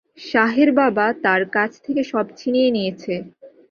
শাহের বাবা তার কাছ থেকে সব ছিনিয়ে নিয়েছে।